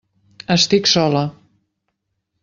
Estic sola.